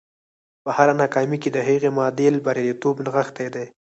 په هره ناکامي کې د هغې معادل برياليتوب نغښتی دی.